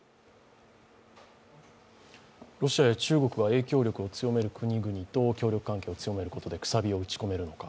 ロシアや中国が影響力を強める国々と協力関係を強めることでくさびを打ち込めるのか。